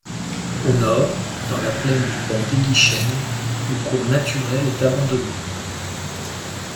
Au nord dans la plaine du ban d'Eguisheim, le cours naturel est abandonné.